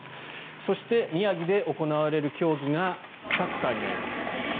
そして、宮城で行われる競技がサッカーになります。